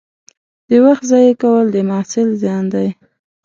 د وخت ضایع کول د محصل زیان دی.